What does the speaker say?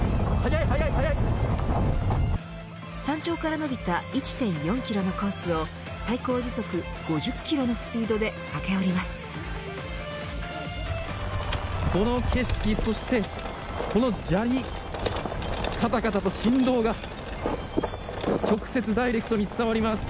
山頂から伸びた１．４キロのコースを最高時速５０キロのスピードで駆け下ります。